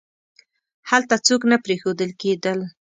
هلته څوک نه پریښودل کېدل.